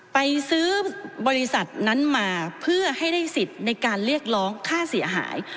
ไปซื้อบริษัทนั้นมาเพื่อให้ได้สิทธิ์ในการเรียกร้องค่าเสียหาย